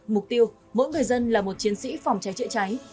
mục tiêu mỗi người dân là một chiến sĩ phòng cháy chữa cháy